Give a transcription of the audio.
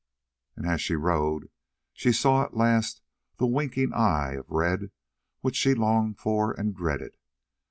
And as she rode she saw at last the winking eye of red which she longed for and dreaded.